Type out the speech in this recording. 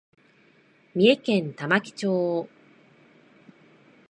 三重県玉城町